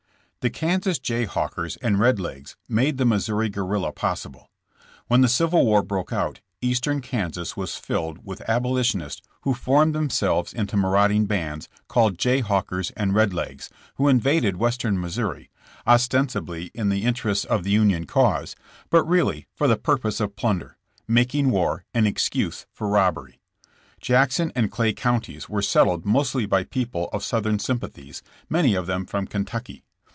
^T^ HE Kansas Jayhawkers and Red Legs made ■i the Missouri guerrilla possible. When the ^iail civil war broke out, Eastern Kansas was filled with abolitionists who formed themselves into marauding bands, called Jayhawkers and Red Legs, who invaded Western Missouri, ostensibly in the in terests of the Union cause, but really for the purpose of plunder, making war an excuse for robbery. Jack son and Clay Counties were settled mostly by people of Southern sympathies, many of them from Ken tucky.